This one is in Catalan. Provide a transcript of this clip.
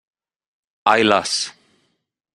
Ai las!